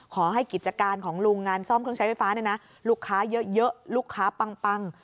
ขอให้กิจการของลุงงานซ่อมเครื่องใช้ไฟฟ้าเนี่ยนะลูกค้าเยอะลูกค้าปัง